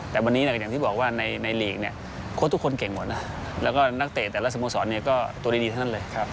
แต่วันนี้อย่างที่บอกว่าในลีกเนี่ยโค้ดทุกคนเก่งหมดนะแล้วก็นักเตะแต่ละสโมสรก็ตัวดีเท่านั้นเลย